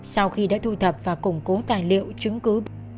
sau khi đã thu thập và củng cố tài liệu chứng cứ